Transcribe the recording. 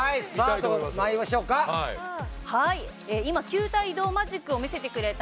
今、球体移動マジックを見せてくれた。